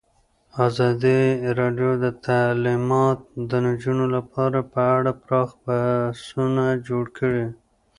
ازادي راډیو د تعلیمات د نجونو لپاره په اړه پراخ بحثونه جوړ کړي.